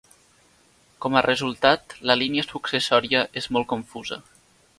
Com a resultat, la línia successòria és molt confusa.